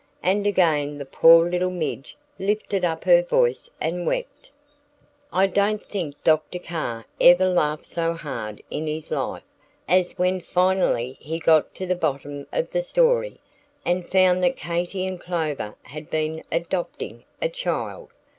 And again the poor little midge lifted up her voice and wept. I don't think Dr. Carr ever laughed so hard in his life, as when finally he got to the bottom of the story, and found that Katy and Clover had been "adopting" a child.